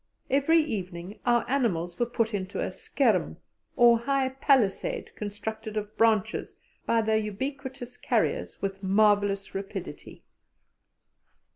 Every evening our animals were put into a "skerm," or high palisade, constructed of branches by the ubiquitous carriers with marvellous rapidity.